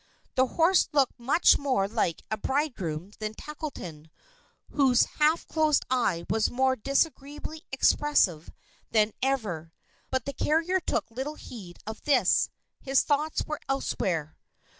The horse looked much more like a bridegroom than Tackleton, whose half closed eye was more disagreeably expressive than ever. But the carrier took little heed of this. His thoughts were elsewhere.